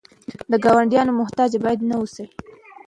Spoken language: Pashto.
د ګاونډیانو محتاج باید نه اوسو.